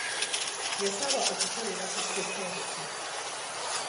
Yasaba okukolera ku ssetendekero.